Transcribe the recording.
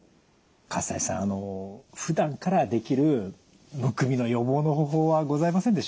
西さんふだんからできるむくみの予防の方法はございませんでしょうか？